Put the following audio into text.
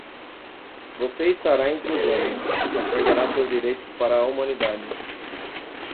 Você estará entre os homens, mas perderá seus direitos para a humanidade.